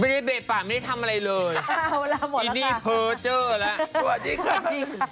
ไม่ได้เบดปากไม่ได้ทำอะไรเลย